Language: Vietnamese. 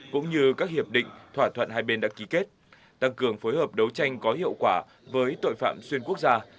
cũng như các hiệp định thỏa thuận hai bên đã ký kết tăng cường phối hợp đấu tranh có hiệu quả với tội phạm xuyên quốc gia